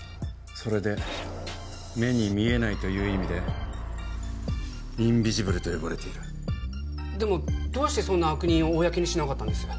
それで目に見えないという意味でインビジブルと呼ばれているでもどうしてそんな悪人を公にしなかったんです？